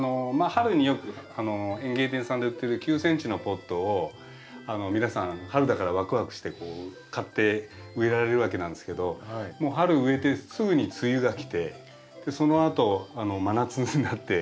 春によく園芸店さんで売ってる９ｃｍのポットを皆さん春だからワクワクしてこう買って植えられるわけなんですけどもう春植えてすぐに梅雨がきてそのあと真夏になって。